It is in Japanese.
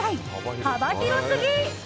幅広すぎ！